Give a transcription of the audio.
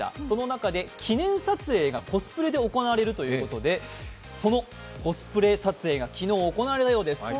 その中で記念撮影がコスプレで行われるということでそのコスプレ撮影が昨日行われたようです。